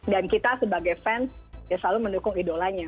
dan kita sebagai fans ya selalu mendukung idolanya